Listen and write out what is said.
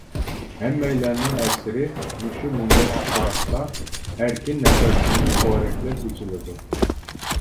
ھەممەيلەننىڭ ئەسىرى مۇشۇ مۇنبەت تۇپراقتا ئەركىن نەپەسلىنىپ پورەكلەپ ئېچىلىدۇ.